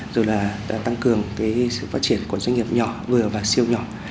rồi là tăng cường cái sự phát triển của doanh nghiệp nhỏ vừa và siêu nhỏ